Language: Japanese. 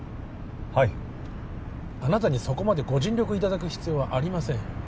はいあなたにそこまでご尽力いただく必要はありません